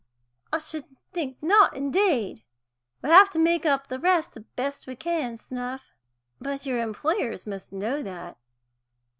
"I sh'd think not, indeed. We have to make up the rest as best we can, s'nough." "But your employers must know that?"